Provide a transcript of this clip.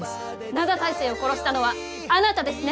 灘大聖を殺したのはあなたですね？